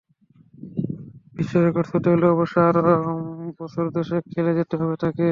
বিশ্ব রেকর্ডটা ছুঁতে হলে অবশ্য আরও বছর দশেক খেলে যেতে হবে তাঁকে।